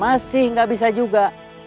masih nggak bisa juga